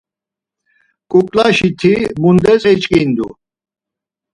Kuklaşi ti mundes eçkindu?